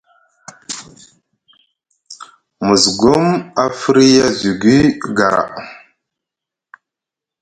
Musgum a firya zugi gara.